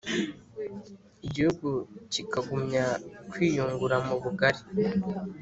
igihugu kikagumya kwiyungura mu bugari.